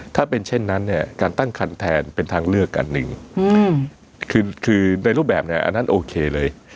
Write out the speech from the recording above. ถ้าเป็นเช่นนั้นเนี่ยการตั้งคันแทนเป็นทางเลือกอันหนึ่งคือในรูปแบบเนี่ยอันนั้นโอเคเลย